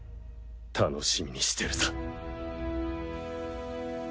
楽しみにしてるさ。